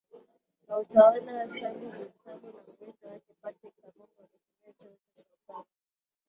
na utawala Sabu Bin Sabu na mrithi wake Partrick Kunambi walitumia Cheo cha Sultana